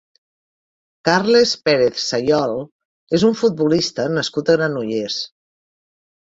Carles Pérez Sayol és un futbolista nascut a Granollers.